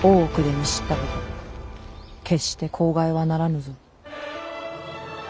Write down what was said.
決して口外はならぬぞ。